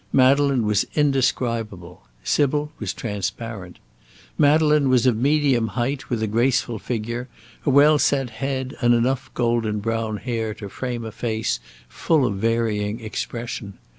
Madeleine was indescribable; Sybil was transparent. Madeleine was of medium height with a graceful figure, a well set head, and enough golden brown hair to frame a face full of varying expression.